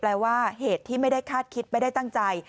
ว่าเหตุที่ไม่ได้คาดคิดไม่ได้ตั้งใจ